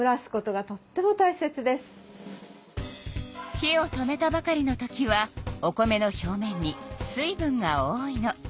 火を止めたばかりのときはお米の表面に水分が多いの。